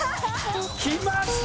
きました！